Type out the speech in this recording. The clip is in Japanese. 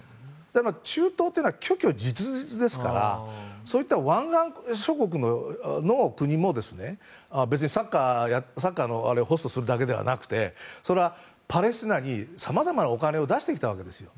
中東というのは虚々実々ですからそういった湾岸諸国の国もサッカーのホストするだけではなくてパレスチナにさまざまなお金を出してきたわけですよ。